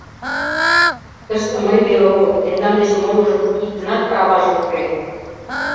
— Тыште мый веле огыл, тендан деч молыжым иктынат праваже уке!